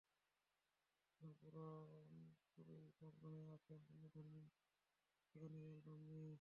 এখন তিনি পুরোপুরি মগ্ন হয়ে আছেন ভিন্নধর্মী দ্বৈত গানের অ্যালবাম নিয়ে।